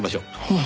ああ。